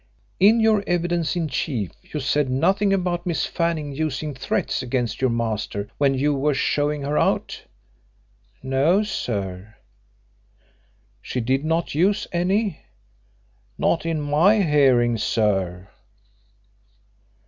"In your evidence in chief you said nothing about Miss Fanning using threats against your master when you were showing her out?" "No, sir." "She did not use any?" "Not in my hearing, sir."